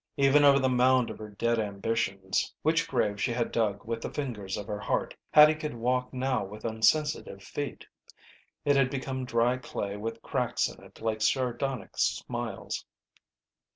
Even over the mound of her dead ambitions, which grave she had dug with the fingers of her heart, Hattie could walk now with unsensitive feet. It had become dry clay with cracks in it like sardonic smiles.